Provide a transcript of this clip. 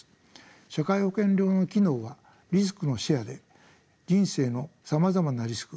社会保険料の機能はリスクのシェアで人生のさまざまなリスク